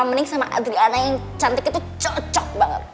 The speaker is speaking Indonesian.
mending sama adriana yang cantik itu cocok banget